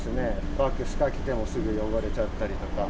ワックスかけてもすぐ汚れちゃったりとか。